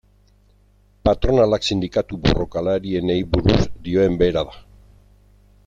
Patronalak sindikatu borrokalarienei buruz dioen bera da.